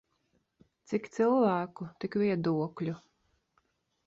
Cik cilvēku tik viedokļu.